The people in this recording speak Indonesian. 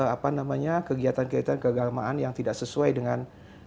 apa namanya kegiatan kegiatan keagamaan yang tidak sesuai dengan